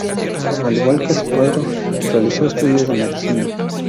Al igual que se padre, realizó estudios de medicina.